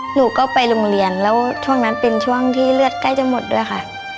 หนูก็ไปโรงเรียนแล้วช่วงนั้นเป็นช่วงที่เลือดใกล้จะหมดด้วยค่ะ